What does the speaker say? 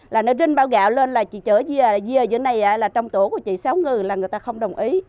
là nó rinh bao gạo lên là chị chở dưa dưới này là trong tổ của chị xấu ngừ là người ta không đồng ý